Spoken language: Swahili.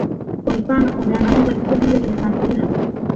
walipanga kuviangamiza vikundi vyote vya kimataifa